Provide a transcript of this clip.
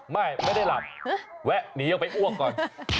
ไม่ได้หลับแวะหนีออกไปอ้วกก่อน